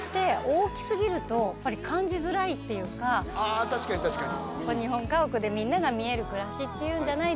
あ確かに確かに。